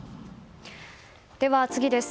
では次です。